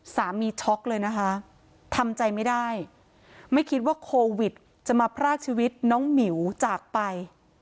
ช็อกเลยนะคะทำใจไม่ได้ไม่คิดว่าโควิดจะมาพรากชีวิตน้องหมิวจากไป